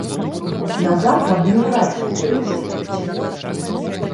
Назад адны ракі поўзаюць.